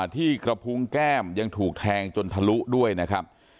ที่กระพุงแก้มยังถูกแทงจนทะลุด้วยนะครับ